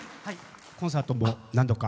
コンサートも何度か。